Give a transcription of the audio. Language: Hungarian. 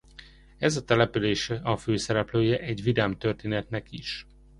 Ez a település a főszereplője egy vidám történetnek is.